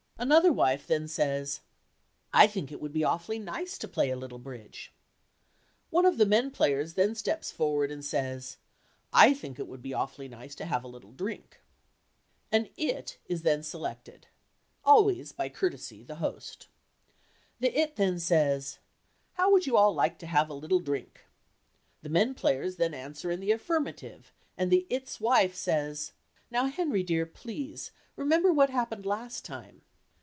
Another wife then says, "I think it would be awfully nice to play a little bridge." One of the men players then steps forward and says "I think it would be awfully nice to have a little drink." An "It" is then selected—always, by courtesy, the host. The "It" then says, "How would you all like to have a little drink?" The men players then answer in the affirmative and the "It's" wife says, "Now Henry dear, please—remember what happened last time."